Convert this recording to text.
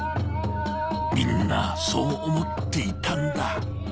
みんなそう思っていたんだ